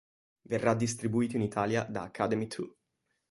Verrà distribuito in Italia da Academy Two.